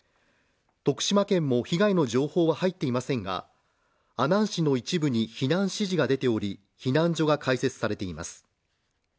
徳島県も被害の情報は入っていませんが、阿南市の一部に避難指示が出ており、避難所が開設されています。